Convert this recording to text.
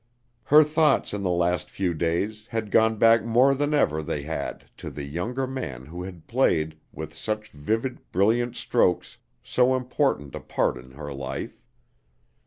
Her thoughts in the last few days had gone back more often than ever they had to the younger man who had played, with such vivid, brilliant strokes, so important a part in her life.